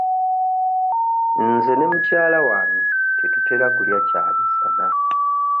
Nze ne mukyala wange tetutera kulya kyamisana.